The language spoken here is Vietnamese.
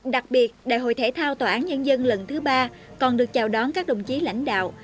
đặc biệt đại hội thể thao tòa án nhân dân lần thứ ba còn được chào đón các đồng chí lãnh đạo